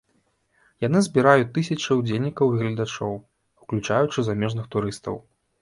Яны збіраюць тысячы ўдзельнікаў і гледачоў, уключаючы замежных турыстаў.